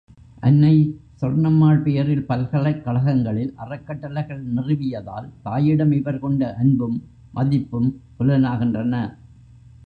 அன்னை சொர்ணம்மாள் பெயரில் பல்கலைக் கழகங்களில் அறக்கட்டளைகள் நிறுவியதால், தாயிடம் இவர் கொண்ட அன்பும் மதிப்பும் புலனாகின்றன.